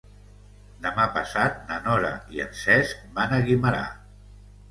Demà passat na Nora i en Cesc van a Guimerà.